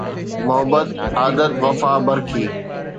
محبت عادت وفا برخي